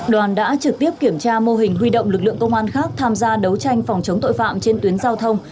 đoàn đã trực tiếp kiểm tra mô hình huy động lực lượng công an khác tham gia đấu tranh phòng chống tội phạm trên tuyến giao thông